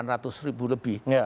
ini adalah stok yang tidak aman